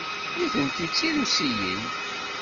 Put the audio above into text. Nitenti d Tirusiyin.